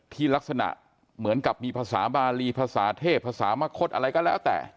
ที่ลักษณะเหมือนกับมีภาษาบาลีภาษาเทพภาษามะคดอะไรก็แล้วแต่